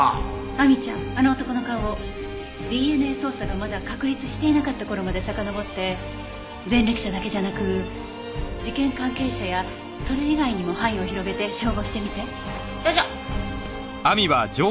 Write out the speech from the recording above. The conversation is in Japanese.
亜美ちゃんあの男の顔をＤＮＡ捜査がまだ確立していなかった頃までさかのぼって前歴者だけじゃなく事件関係者やそれ以外にも範囲を広げて照合してみて。